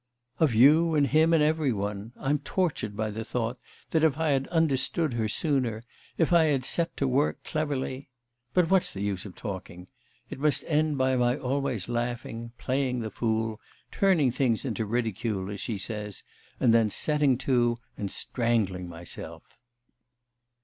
'Of you and him and every one. I'm tortured by the thought that if I had understood her sooner, if I had set to work cleverly But what's the use of talking! It must end by my always laughing, playing the fool, turning things into ridicule as she says, and then setting to and strangling myself.